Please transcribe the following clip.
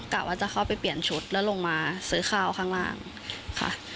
กะว่าจะเข้าไปเปลี่ยนชุดแล้วลงมาซื้อข้าวข้างล่างค่ะ